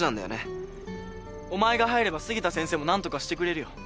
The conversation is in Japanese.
お前が入れば杉田先生も何とかしてくれるよ。